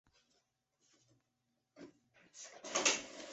该旅馆现由长鸿荣实业股份有限公司负责营运。